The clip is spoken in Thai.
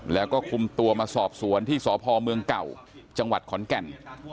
แล้วก็คุมตัวมาสอบสวนที่สพเมืองเก่าจังหวัดขอนแก่น